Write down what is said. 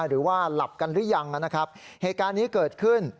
หรือว่าหลับกันหรือยังนะครับเหตุการณ์นี้เกิดขึ้น